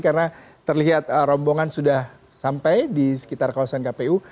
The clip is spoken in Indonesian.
karena terlihat rombongan sudah sampai di sekitar kawasan kpu